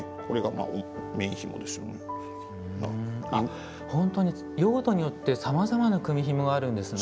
あっ本当に用途によってさまざまな組みひもがあるんですね。